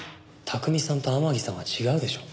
拓海さんと天樹さんは違うでしょ。